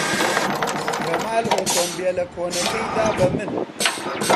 کەمال ئۆتۆمبێلە کۆنەکەی دا بە من.